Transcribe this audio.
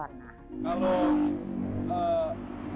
kalau bu sargem apa